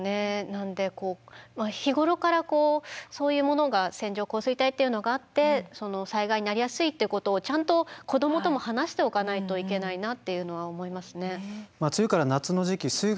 なんで日頃からこうそういうものが線状降水帯っていうのがあって災害になりやすいってことをちゃんと子どもとも話しておかないといけないなっていうのは思いますね。